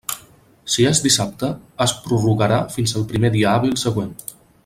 Si és dissabte, es prorrogarà fins al primer dia hàbil següent.